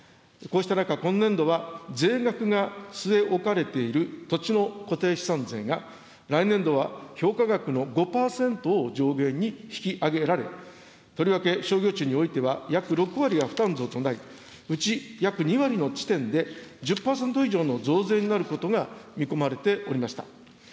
こうした中、今年度は税額が据え置かれている土地の固定資産税が、来年度は評価額の５％を上限に引き上げられ、とりわけ商業地においては約６割が負担増となり、うち約２割の地点で１０％以上の増税になることが見込まれておりました。